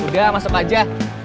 udah masuk aja